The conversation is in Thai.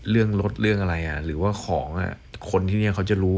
เรื่องรถเรื่องอะไรหรือว่าของคนที่นี่เขาจะรู้